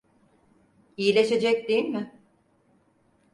İyileşecek, değil mi?